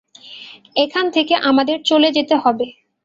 এখান থেকে আমাদের চলে যেতে হবে।